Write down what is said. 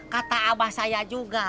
kata abah saya juga